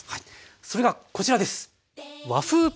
それがこちらです！